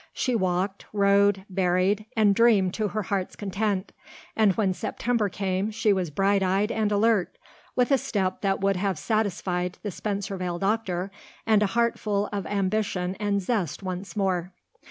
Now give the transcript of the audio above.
She walked, rowed, berried, and dreamed to her heart's content; and when September came she was bright eyed and alert, with a step that would have satisfied the Spencervale doctor and a heart full of ambition and zest once more.